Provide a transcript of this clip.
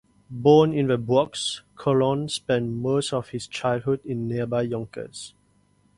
Born in the Bronx, Conlon spent most of his childhood in nearby Yonkers.